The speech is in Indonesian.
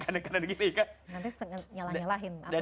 nanti nyala nyalahin aturan